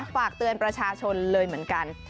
ฝากเตือนประชาชนเลยเหมือนกัน